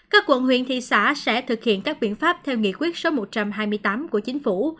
các quận huyện thị xã sẽ thực hiện các biện pháp theo nghị quyết số một trăm hai mươi tám của chính phủ